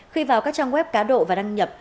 khi vào các trang web cá độ và đăng nhập